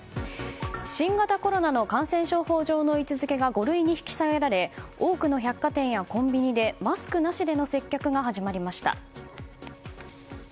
新型コロナの感染症法上の位置づけが５類に引き下げられ多くの百貨店やコンビニでマスクなしでの接客が始まりました。